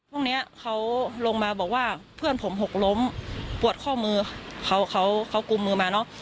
พวกเนี้ยเขาลงมาบอกว่าเพื่อนผมหกล้มปวดข้อมือเขาเขากุมมือมาเนอะ